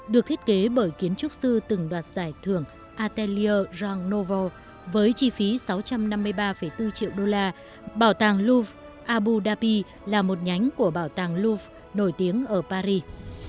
được thiết kế bởi kiến trúc sư từng đoạt giải thưởng atelier rang novo với chi phí sáu trăm năm mươi ba bốn triệu đô la bảo tàng louvre abu dhabi là một nhánh của bảo tàng louvre nổi tiếng ở paris